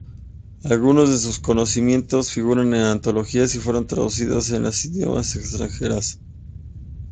Algunos de sus composiciones figuran en antologías y fueron traducidas a idiomas extranjeros.